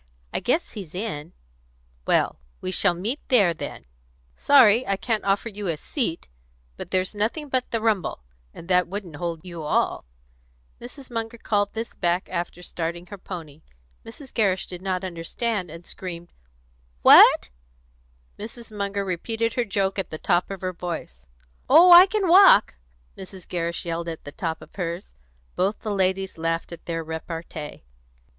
I guess he's in." "Well, we shall meet there, then. Sorry I can't offer you a seat. But there's nothing but the rumble, and that wouldn't hold you all." Mrs. Munger called this back after starting her pony. Mrs. Gerrish did not understand, and screamed, "What?" Mrs. Munger repeated her joke at the top of her voice. "Oh, I can walk!" Mrs. Gerrish yelled at the top of hers. Both the ladies laughed at their repartee.